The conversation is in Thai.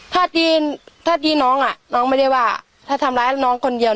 ถ้าที่ถ้าที่น้องอ่ะน้องน้องไม่ได้ว่าถ้าทำร้ายน้องคนเดียว